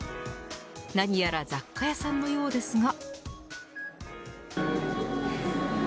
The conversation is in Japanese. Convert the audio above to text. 何やら雑貨屋さんのようですが。